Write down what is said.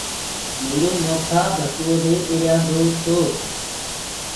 ميرو مآسآ ڀٽوئو دي ڏريآندو تو۔